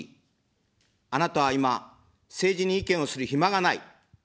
あなたは今、政治に意見をする暇がない。